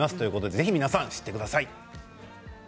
ぜひ皆さん知ってください。